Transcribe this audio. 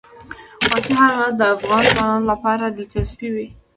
وحشي حیوانات د افغان ځوانانو لپاره دلچسپي لري.